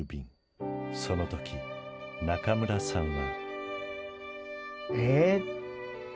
その時中村さんは。